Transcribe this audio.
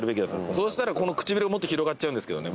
そしたらこの唇がもっと広がっちゃうんですけどね。